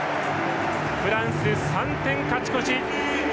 フランス、３点勝ち越し。